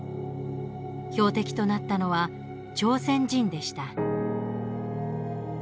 標的となったのは朝鮮人でした。